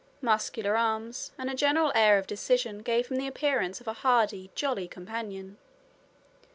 Muscular arms, and a general air of decision gave him the appearance of a hardy, jolly, companion.